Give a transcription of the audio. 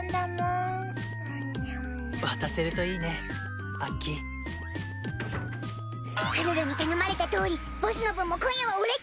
渡せるといいねアッキー。はるるに頼まれたとおりボスの分も今夜は俺っ